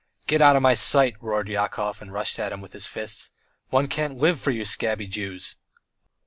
"Get out of my sight!" roared Yakov, and rushed at him with his fists. "One can't live for you scabby Jews!"